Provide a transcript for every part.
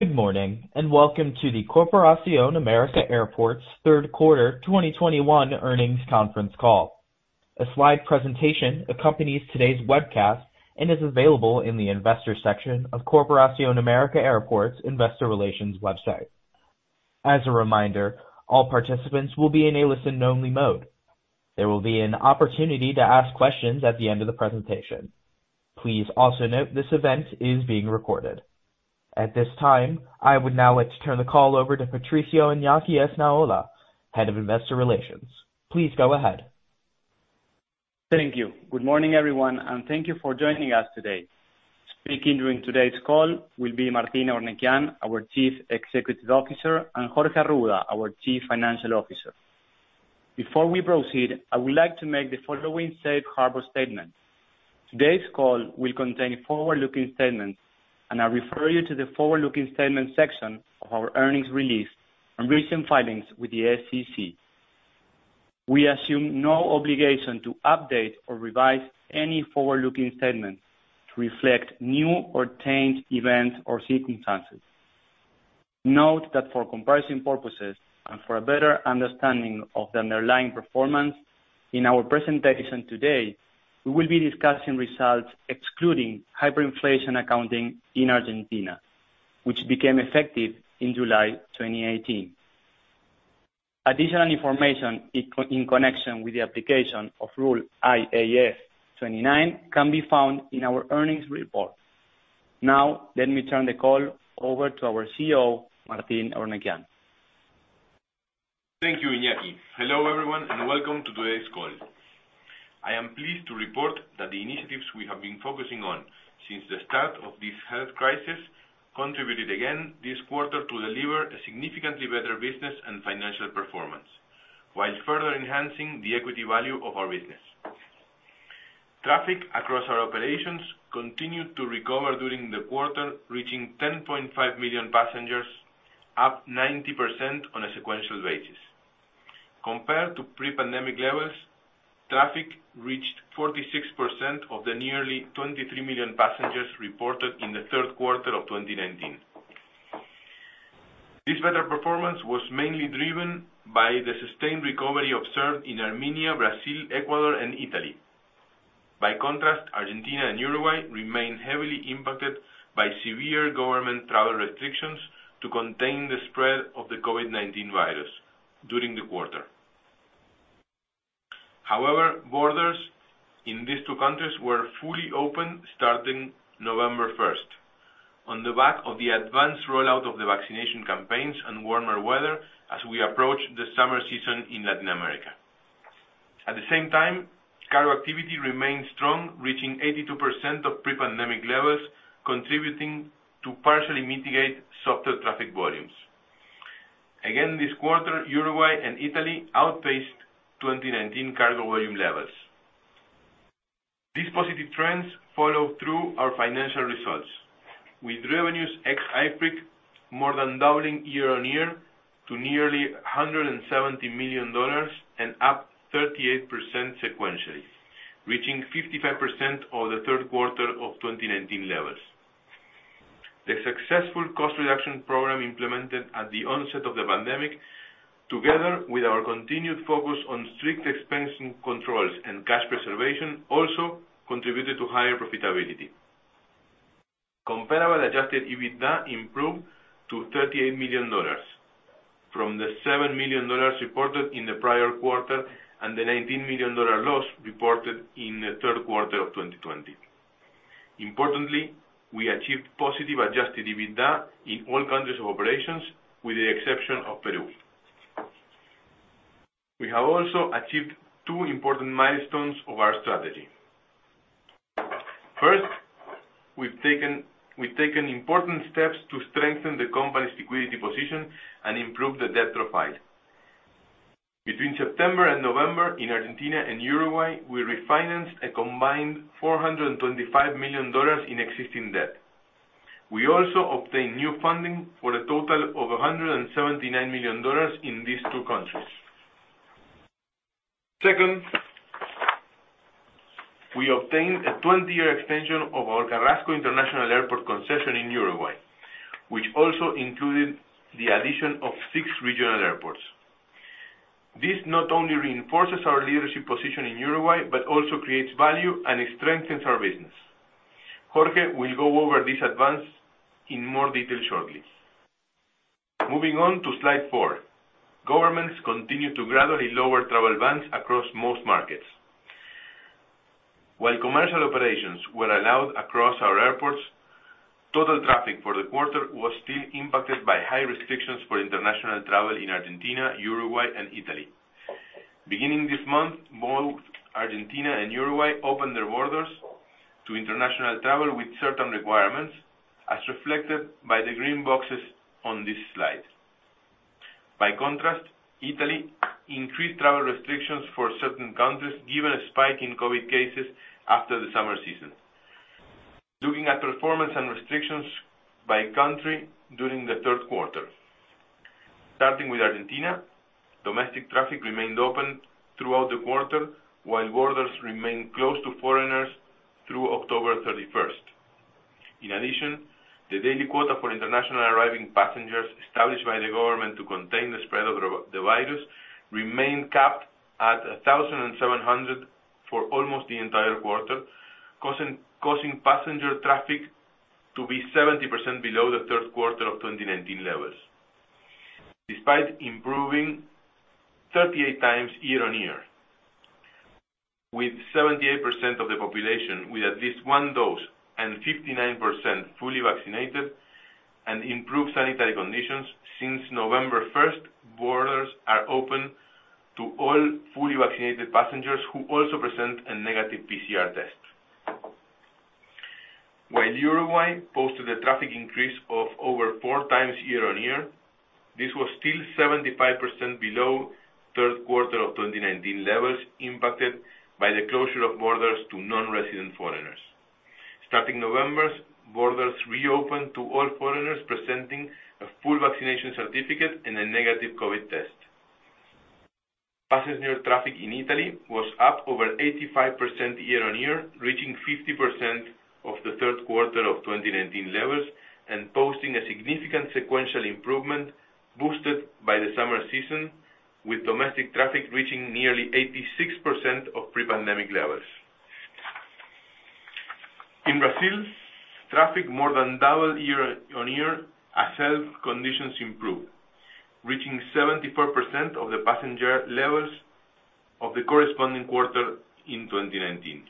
Good morning and welcome to the Corporación América Airports Third Quarter 2021 Earnings Conference Call. A slide presentation accompanies today's webcast and is available in the Investors section of Corporación América Airports Investor Relations website. As a reminder, all participants will be in a listen only mode. There will be an opportunity to ask questions at the end of the presentation. Please also note this event is being recorded. At this time, I would now like to turn the call over to Patricio Iñaki Esnaola, Head of Investor Relations. Please go ahead. Thank you, good morning, everyone and thank you for joining us today. Speaking during today's call will be Martín Eurnekian, our Chief Executive Officer, and Jorge Arruda, our Chief Financial Officer. Before we proceed, I would like to make the following Safe Harbor Statement. Today's call will contain forward-looking statements, and I refer you to the forward-looking statements section of our earnings release and recent filings with the SEC. We assume no obligation to update or revise any forward-looking statements to reflect newly obtained events or circumstances. Note that for comparison purposes and for a better understanding of the underlying performance, in our presentation today, we will be discussing results excluding hyperinflation accounting in Argentina, which became effective in July 2018. Additional information in connection with the application of IAS 29 can be found in our earnings report. Now, let me turn the call over to our CEO, Martín Eurnekian. Thank you, Iñakí, hello, everyone and welcome to today's call. I am pleased to report that the initiatives we have been focusing on since the start of this health crisis, contributed again this quarter to deliver a significantly better business and financial performance. While further enhancing the equity value of our business. Traffic across our operations continued to recover during the quarter, reaching 10.5 million passengers, up 90% on a sequential basis. Compared to pre-pandemic levels, traffic reached 46% of the nearly 23 million passengers reported in the third quarter of 2019. This better performance was mainly driven by the sustained recovery observed in Armenia, Brazil, Ecuador, and Italy. By contrast, Argentina and Uruguay remain heavily impacted by severe government travel restrictions to contain the spread of the COVID-19 virus during the quarter. However, borders in these two countries were fully open starting November 1. On the back of the advanced rollout of the vaccination campaigns, and warmer weather as we approach the summer season in Latin America. At the same time, cargo activity remained strong, reaching 82% of pre-pandemic levels, contributing to partially mitigate softer traffic volumes. Again, this quarter, Uruguay and Italy outpaced 2019 cargo volume levels. These positive trends follow through our financial results, with revenues ex hyperinflation more than doubling year-on-year to nearly $170 million, and up 38% sequentially, reaching 55% of the third quarter of 2019 levels. The successful cost reduction program implemented at the onset of the pandemic. Together with our continued focus on strict expense controls, and cash preservation, also contributed to higher profitability. Comparable adjusted EBITDA improved to $38 million from the $7 million reported in the prior quarter, and the $19 million loss reported in the third quarter of 2020. Importantly, we achieved positive adjusted EBITDA in all countries of operations with the exception of Peru. We have also achieved two important milestones of our strategy. First, we've taken important steps to strengthen the company's liquidity position and improve the debt profile. Between September and November in Argentina and Uruguay, we refinanced a combined $425 million in existing debt. We also obtained new funding for a total of $179 million in these two countries. Second, we obtained a 20-year extension of our Carrasco International Airport concession in Uruguay, which also included the addition of six regional airports. This not only reinforces our leadership position in Uruguay, but also creates value and strengthens our business. Jorge will go over this advance in more detail shortly. Moving on to slide four. Governments continue to gradually lower travel bans across most markets. While commercial operations were allowed across our airports, total traffic for the quarter was still impacted by high restrictions for international travel in Argentina, Uruguay, and Italy. Beginning this month, both Argentina and Uruguay opened their borders to international travel with certain requirements, as reflected by the green boxes on this slide. By contrast, Italy increased travel restrictions for certain countries, given a spike in COVID cases after the summer season. Looking at performance and restrictions by country during the third quarter. Starting with Argentina, domestic traffic remained open throughout the quarter, while borders remained closed to foreigners through October 31. In addition, the daily quota for international arriving passengers established by the government to contain the spread of the virus. Remained capped at 1,700 for almost the entire quarter, causing passenger traffic to be 70% below the third quarter of 2019 levels. Despite improving 38 times year-on-year, with 78% of the population with at least one dose. And 59% fully vaccinated and improved sanitary conditions since November 1. Borders are open to all fully vaccinated passengers who also present a negative PCR test. While Uruguay posted a traffic increase of over four times year-on-year, this was still 75% below third quarter of 2019 levels. Impacted by the closure of borders to non-resident foreigners. Starting November, borders reopened to all foreigners presenting a full vaccination certificate and a negative COVID test. Passenger traffic in Italy was up over 85% year-on-year, reaching 50% of the third quarter of 2019 levels. And posting a significant sequential improvement boosted by the summer season, with domestic traffic reaching nearly 86% of pre-pandemic levels. In Brazil, traffic more than doubled year-on-year as health conditions improved. Reaching 74% of the passenger levels of the corresponding quarter in 2019.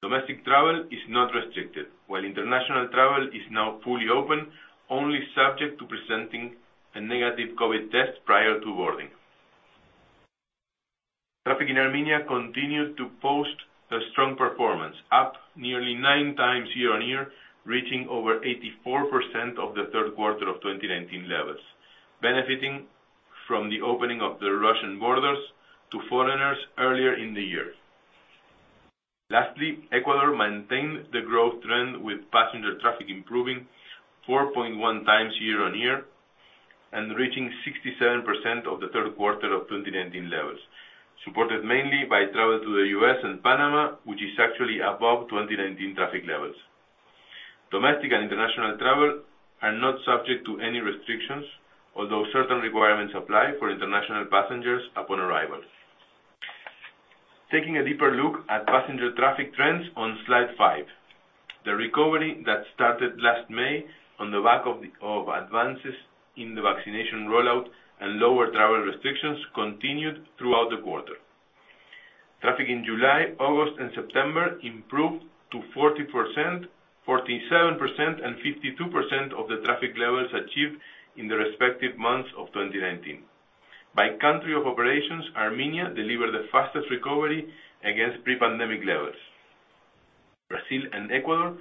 Domestic travel is not restricted, while international travel is now fully open, only subject to presenting a negative COVID test prior to boarding. Traffic in Armenia continued to post a strong performance, up nearly nine times year-on-year, reaching over 84% of the third quarter of 2019 levels. Benefiting from the opening of the Russian borders to foreigners earlier in the year. Lastly, Ecuador maintained the growth trend, with passenger traffic improving 4.1 times year-on-year and reaching 67% of the third quarter of 2019 levels. Supported mainly by travel to the U.S. and Panama, which is actually above 2019 traffic levels. Domestic and international travel are not subject to any restrictions, although certain requirements apply for international passengers upon arrival. Taking a deeper look at passenger traffic trends on slide five. The recovery that started last May on the back of advances in the vaccination rollout, and lower travel restrictions continued throughout the quarter. Traffic in July, August, and September improved to 40%, 47%, and 52% of the traffic levels achieved in the respective months of 2019. By country of operations, Armenia delivered the fastest recovery against pre-pandemic levels. Brazil and Ecuador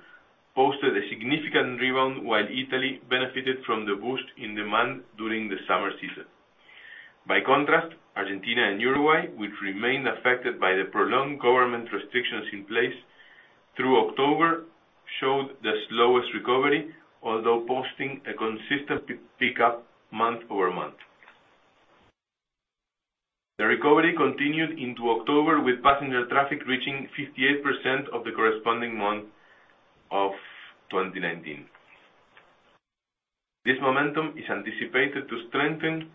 posted a significant rebound, while Italy benefited from the boost in demand during the summer season. By contrast, Argentina and Uruguay, which remained affected by the prolonged government restrictions in place. Through October, showed the slowest recovery, although posting a consistent pick-up month-over-month. The recovery continued into October, with passenger traffic reaching 58% of the corresponding month of 2019. This momentum is anticipated to strengthen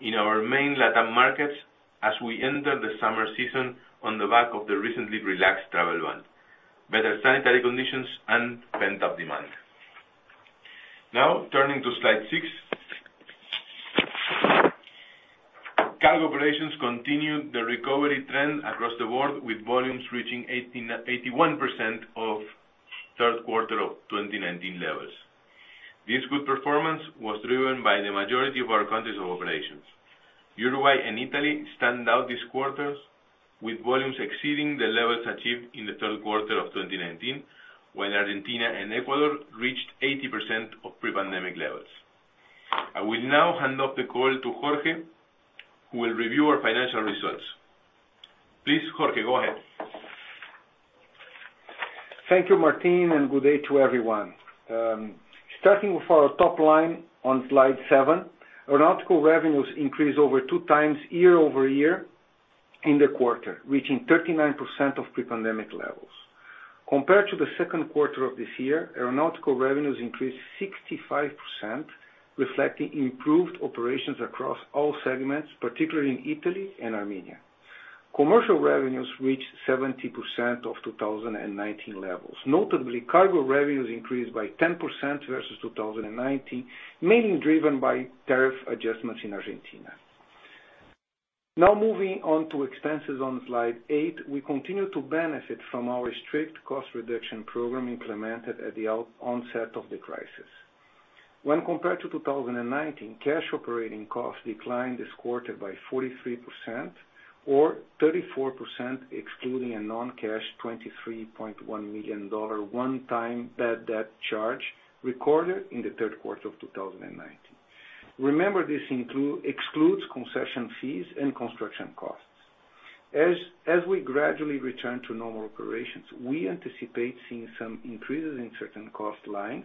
in our main Latin markets as we enter the summer season on the back of the recently relaxed travel ban. Better sanitary conditions, and pent-up demand. Now turning to slide six. Cargo operations continued the recovery trend across the board, with volumes reaching 81% of third quarter of 2019 levels. This good performance was driven by the majority of our countries of operations. Uruguay and Italy stand out this quarter, with volumes exceeding the levels achieved in the third quarter of 2019. While Argentina and Ecuador reached 80% of pre-pandemic levels. I will now hand off the call to Jorge, who will review our financial results. Please Jorge, go ahead. Thank you, Martín, and good day to everyone. Starting with our top line on slide seven, aeronautical revenues increased over two times year-over-year in the quarter, reaching 39% of pre-pandemic levels. Compared to the second quarter of this year, aeronautical revenues increased 65%. Reflecting improved operations across all segments, particularly in Italy and Armenia. Commercial revenues reached 70% of 2019 levels. Notably, cargo revenues increased by 10% versus 2019, mainly driven by tariff adjustments in Argentina. Now moving on to expenses on slide eight, we continue to benefit from our strict cost reduction program implemented at the onset of the crisis. When compared to 2019, cash operating costs declined this quarter by 43% or 34%. Excluding a non-cash $23.1 million one-time bad debt charge recorded in the third quarter of 2019. Remember, this excludes concession fees and construction costs. As we gradually return to normal operations, we anticipate seeing some increases in certain cost lines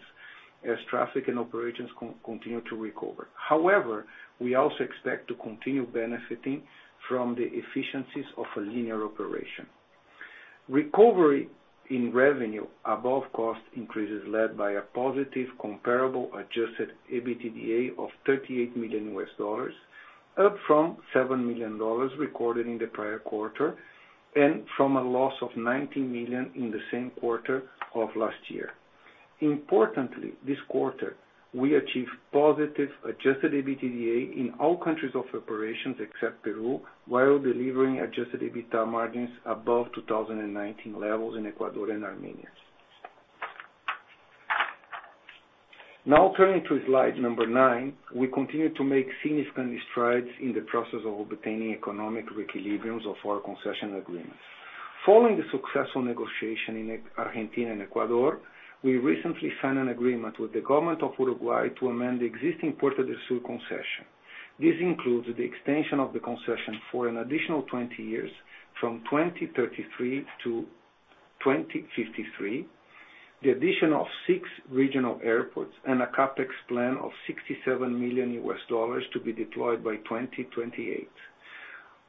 as traffic and operations continue to recover. However, we also expect to continue benefiting from the efficiencies of a leaner operation. Recovery in revenue above cost increases led by a positive comparable adjusted EBITDA of $38 million. Up from $7 million recorded in the prior quarter, and from a loss of $19 million in the same quarter of last year. Importantly, this quarter, we achieved positive adjusted EBITDA in all countries of operations except Peru. While delivering adjusted EBITDA margins above 2019 levels in Ecuador and Armenia. Now turning to slide nine, we continue to make significant strides in the process of obtaining economic equilibriums of our concession agreements. Following the successful negotiation in Argentina and Ecuador, we recently signed an agreement with the government of Uruguay to amend the existing Puerta del Sur concession. This includes the extension of the concession for an additional 20 years. From 2033 to 2053, the addition of six regional airports, and a CapEx plan of $67 million to be deployed by 2028.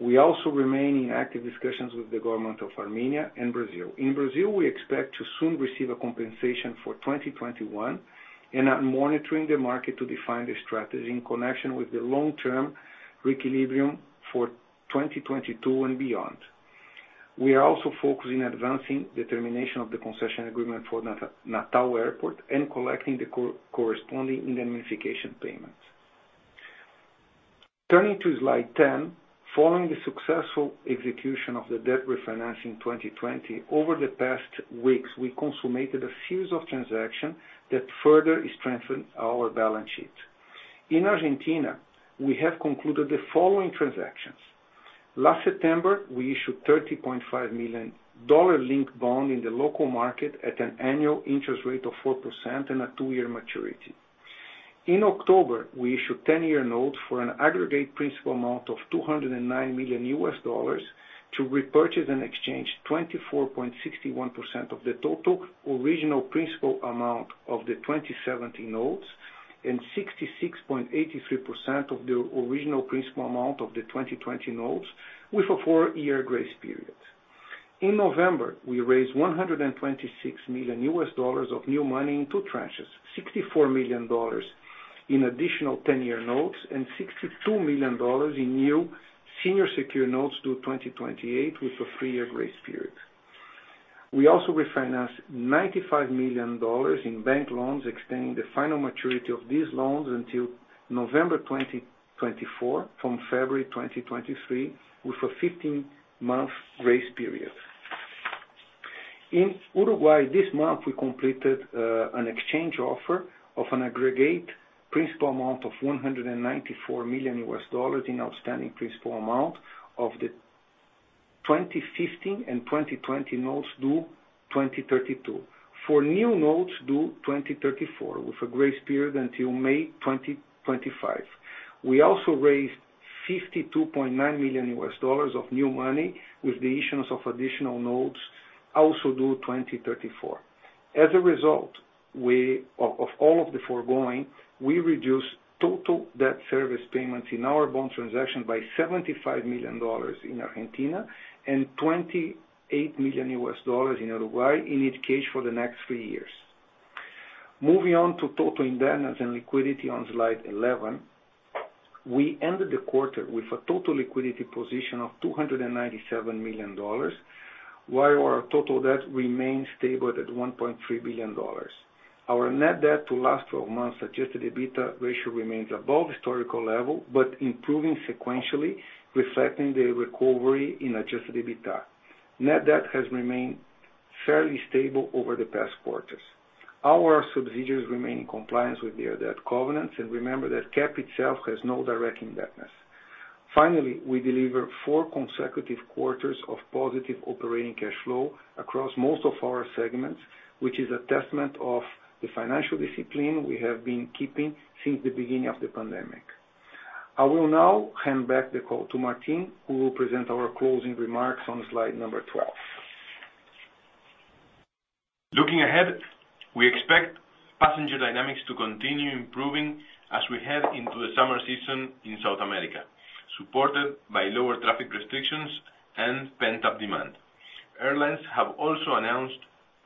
We also remain in active discussions with the government of Armenia and Brazil. In Brazil, we expect to soon receive a compensation for 2021, and are monitoring the market to define the strategy in connection with the long-term reequilibrium for 2022 and beyond. We are also focusing on advancing the termination of the concession agreement for Natal Airport and collecting the corresponding indemnification payments. Turning to slide 10, following the successful execution of the debt refinancing 2020, over the past weeks, we consummated a series of transactions that further strengthened our balance sheet. In Argentina, we have concluded the following transactions. Last September, we issued $30.5 million linked bond in the local market at an annual interest rate of 4% and a two-year maturity. In October, we issued 10-year note for an aggregate principal amount of $209 million. To repurchase and exchange 24.61% of the total original principal amount of the 2017 notes. And 66.83% of the original principal amount of the 2020 notes, with a four-year grace period. In November, we raised $126 million of new money in two tranches, $64 million. In additional 10-year notes and $62 million in new senior secure notes due 2028, with a three-year grace period. We also refinanced $95 million in bank loans, extending the final maturity of these loans until November 2024 from February 2023, with a 15-month grace period. In Uruguay this month, we completed an exchange offer of an aggregate principal amount of $194 million in outstanding principal amount of the 2015 and 2020 notes due 2032, for new notes due 2034, with a grace period until May 2025. We also raised $52.9 million of new money with the issuance of additional notes, also due 2034. As a result, of all of the foregoing, we reduced total debt service payments in our bond transaction by $75 million in Argentina and $28 million in Uruguay in each case for the next three years. Moving on to total indebtedness and liquidity on slide 11, we ended the quarter with a total liquidity position of $297 million. While our total debt remains stable at $1.3 billion. Our net debt to last 12 months adjusted EBITDA ratio remains above historical level, but improving sequentially, reflecting the recovery in adjusted EBITDA. Net debt has remained fairly stable over the past quarters. Our subsidiaries remain in compliance with their debt covenants, and remember that CAAP itself has no direct indebtedness. Finally, we deliver four consecutive quarters of positive operating cash flow across most of our segments. Which is a testament of the financial discipline we have been keeping since the beginning of the pandemic. I will now hand back the call to Martín, who will present our closing remarks on slide number 12. Looking ahead, we expect passenger dynamics to continue improving as we head into the summer season in South America. Supported by lower traffic restrictions and pent-up demand. Airlines have also announced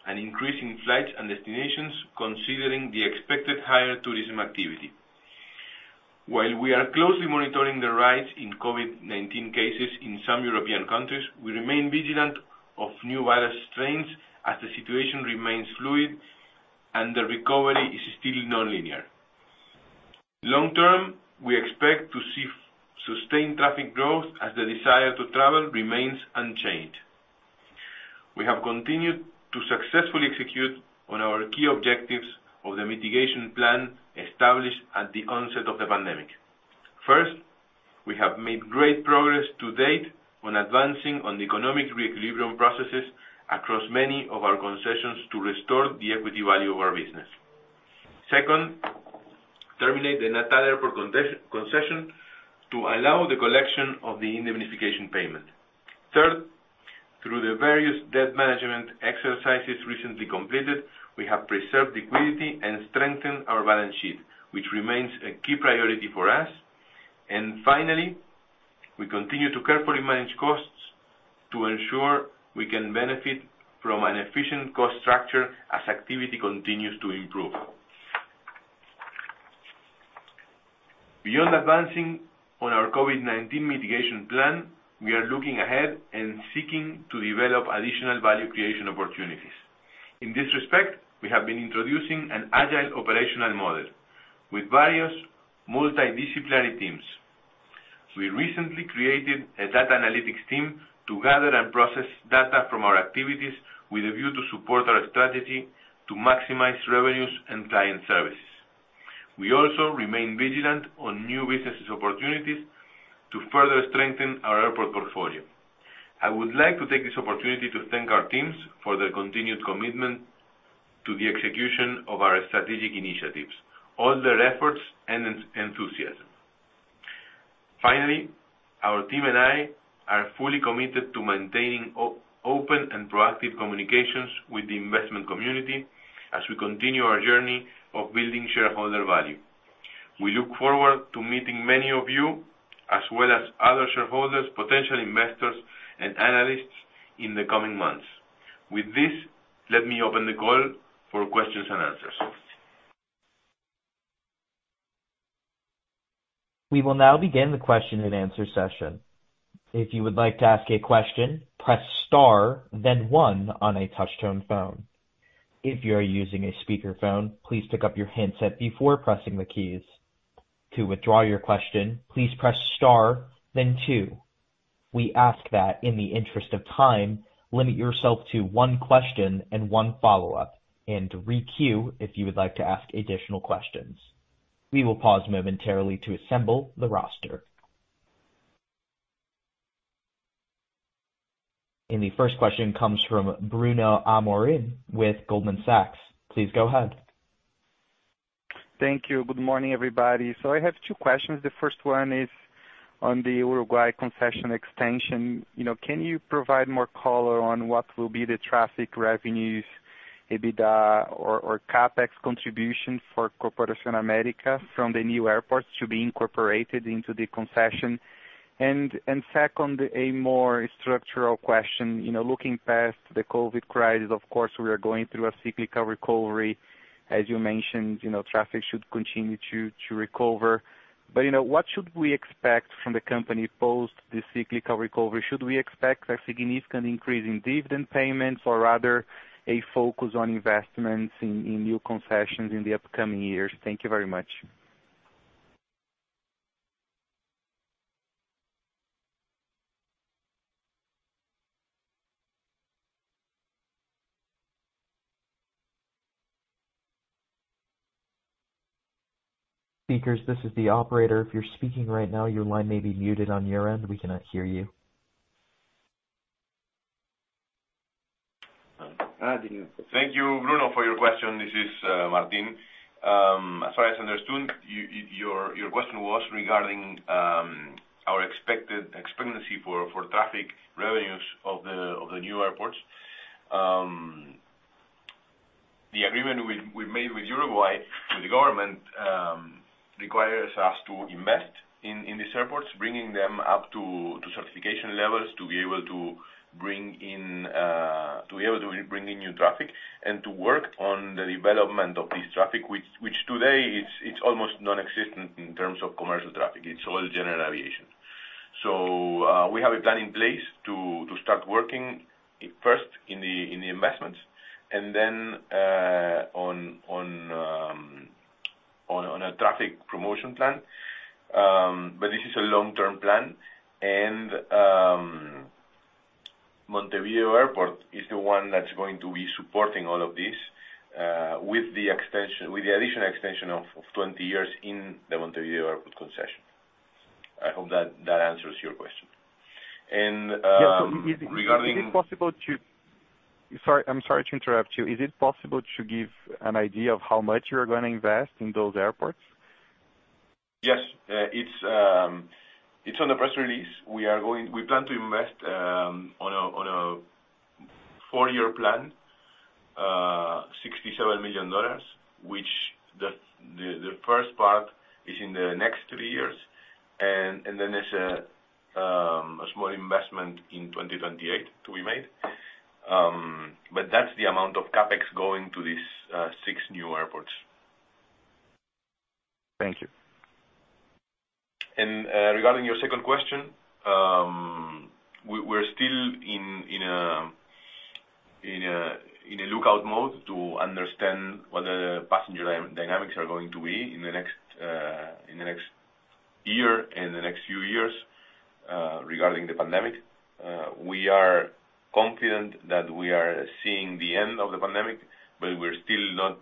an increase in flights, and destinations considering the expected higher tourism activity. While we are closely monitoring the rise in COVID-19 cases in some European countries, we remain vigilant of new virus strains as the situation remains fluid and the recovery is still nonlinear. Long term, we expect to see sustained traffic growth as the desire to travel remains unchanged. We have continued to successfully execute on our key objectives of the mitigation plan established at the onset of the pandemic. First, we have made great progress to date on advancing on the economic reequilibrium processes, across many of our concessions to restore the equity value of our business. Second, we have terminated the Natal Airport concession to allow the collection of the indemnification payment. Third, through the various debt management exercises recently completed. We have preserved liquidity and strengthened our balance sheet, which remains a key priority for us. Finally, we continue to carefully manage costs to ensure we can benefit from an efficient cost structure as activity continues to improve. Beyond advancing on our COVID-19 mitigation plan, we are looking ahead and seeking to develop additional value creation opportunities. In this respect, we have been introducing an agile operational model with various multidisciplinary teams. We recently created a data analytics team to gather and process data from our activities. With a view to support our strategy to maximize revenues and client services. We also remain vigilant on new business opportunities to further strengthen our airport portfolio. I would like to take this opportunity to thank our teams for their continued commitment to the execution of our strategic initiatives, all their efforts and enthusiasm. Finally, our team and I are fully committed to maintaining open and proactive communications, with the investment community as we continue our journey of building shareholder value. We look forward to meeting many of you, as well as other shareholders, potential investors, and analysts in the coming months. With this, let me open the call for questions and answers. We will now begin the question-and-answer session. If you would like to ask a question, press star then one on a touch-tone phone. If you are using a speakerphone, please pick up your handset before pressing the keys. To withdraw your question, please press star then two. We ask that, in the interest of time, limit yourself to one question and one follow-up, and re-queue if you would like to ask additional questions. We will pause momentarily to assemble the roster. The first question comes from Bruno Amorim with Goldman Sachs. Please go ahead. Thank you good morning, everybody. I have two questions, the first one is on the Uruguay concession extension. You know, can you provide more color on what will be the traffic revenues, EBITDA or CapEx contribution for Corporación América from the new airports to be incorporated into the concession? Second, a more structural question. You know, looking past the COVID crisis, of course, we are going through a cyclical recovery. As you mentioned, you know, traffic should continue to recover. You know, what should we expect from the company post this cyclical recovery? Should we expect a significant increase in dividend payments or rather a focus on investments in new concessions in the upcoming years? Thank you very much. Speakers, this is the operator. If you're speaking right now, your line may be muted on your end. We cannot hear you. Thank you, Bruno, for your question this is Martín. As far as I understood, your question was regarding our expected expectancy for traffic revenues of the new airports. The agreement we made with Uruguay with the government requires us to invest in these airports. Bringing them up to certification levels to be able to bring in new traffic and to work on the development of this traffic. Which today it's almost nonexistent in terms of commercial traffic, it's all general aviation. We have a plan in place to start working, first in the investments and then on a traffic promotion plan. This is a long-term plan, and Montevideo Airport is the one that's going to be supporting all of this with the additional extension of 20 years in the Montevideo Airport concession. I hope that answers your question, regarding. Sorry, I'm sorry to interrupt you. Is it possible to give an idea of how much you're gonna invest in those airports? Yes, it's on the press release. We plan to invest on a four-year plan $67 million. Which the first part is in the next three years, and then there's a small investment in 2028 to be made. But that's the amount of CapEx going to these six new airports. Thank you. Regarding your second question, we're still in a lookout mode to understand what the passenger dynamics are going to be in the next year and the next few years, regarding the pandemic. We are confident that we are seeing the end of the pandemic, but we're still not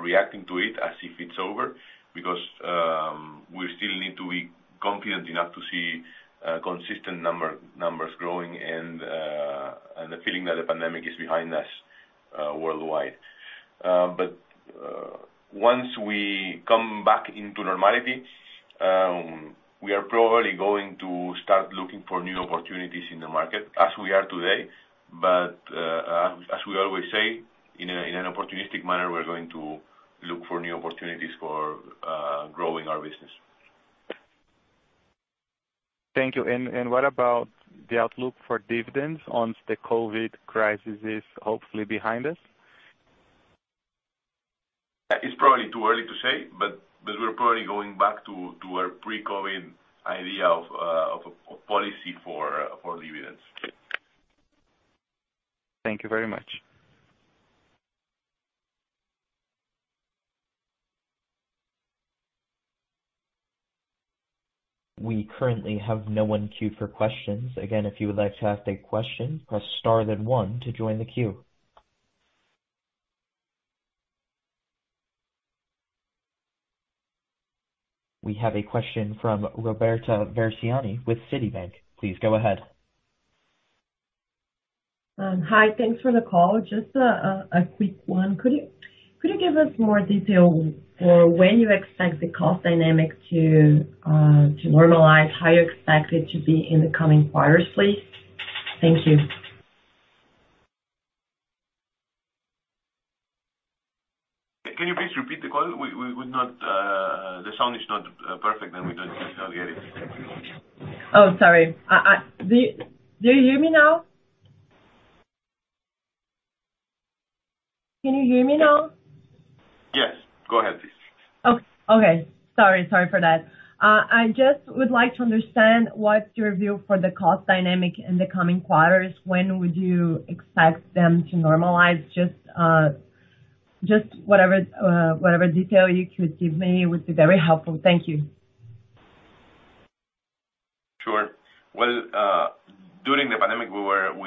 reacting to it. As if it's over because we still need to be confident enough to see consistent numbers growing, and the feeling that the pandemic is behind us worldwide. Once we come back into normality, we are probably going to start looking for new opportunities in the market as we are today. As we always say, in an opportunistic manner, we're going to look for new opportunities for growing our business. Thank you, what about the outlook for dividends once the COVID crisis is hopefully behind us? It's probably too early to say, but we're probably going back to our pre-COVID idea of policy for dividends. Thank you very much. We currently have no one queued for questions. Again, if you would like to ask a question, press star then one to join the queue. We have a question from Roberta Versiani with Citibank. Please go ahead. Hi, thanks for the call. Just a quick one, could you give us more detail for when you expect the cost dynamics to normalize? How you expect it to be in the coming quarters, please? Thank you. Can you please repeat the call? The sound is not perfect, and we don't necessarily get it. Oh, sorry, do you hear me now? Can you hear me now? Yes go ahead, please. Okay, sorry for that. I just would like to understand what's your view for the cost dynamic in the coming quarters. When would you expect them to normalize? Just whatever detail you could give me would be very helpful. Thank you. Sure, well, during the pandemic, we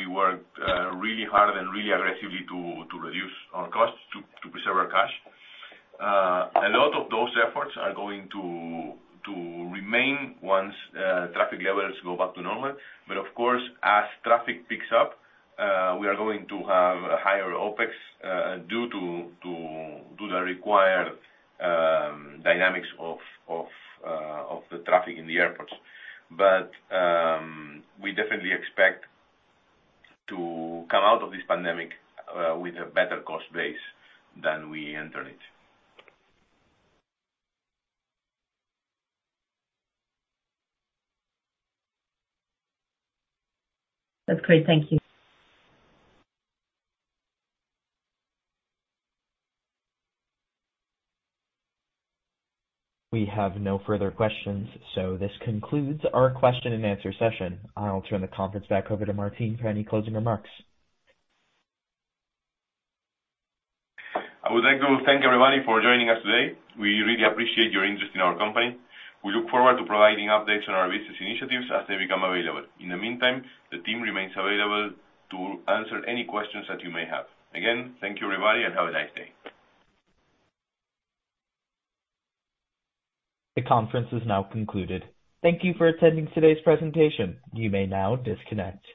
worked really hard and really aggressively to reduce our costs to preserve our cash. A lot of those efforts are going to remain once traffic levels go back to normal. Of course, as traffic picks up, we are going to have a higher OPEX due to the required dynamics of the traffic in the airports. We definitely expect to come out of this pandemic with a better cost base than we entered it. That's great, thank you. We have no further questions, so this concludes our question-and-answer session. I'll turn the conference back over to Martín for any closing remarks. I would like to thank everybody for joining us today. We really appreciate your interest in our company. We look forward to providing updates on our business initiatives as they become available. In the meantime, the team remains available to answer any questions that you may have. Again, thank you, everybody, and have a nice day. The conference is now concluded. Thank you for attending today's presentation, you may now disconnect.